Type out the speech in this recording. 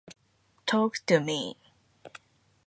Talk to me.